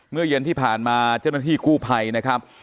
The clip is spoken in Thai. เมื่อเย็นที่ผ่านมาเจ้าหน้าที่กู้ภัยนะครับ